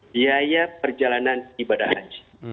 biaya perjalanan ibadah haji